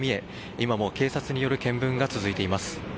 今も警察による見聞が続いています。